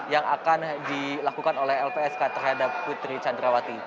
yang akan dilakukan oleh lpsk terhadap putri candrawati